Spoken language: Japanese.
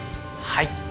はい。